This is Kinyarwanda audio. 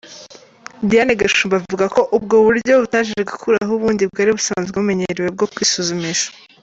Diane Gashumba avuga ko ubwo buryo butaje gukuraho ubundi bwari busanzwe bumenyerewe bwo kwisuzumisha.